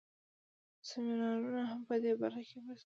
سمینارونه هم په دې برخه کې مرسته کوي.